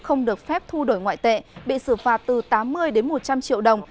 không được phép thu đổi ngoại tệ bị xử phạt từ tám mươi đến một trăm linh triệu đồng